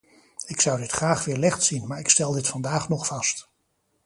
Ik zou dit graag weerlegd zien, maar ik stel dit vandaag nog vast.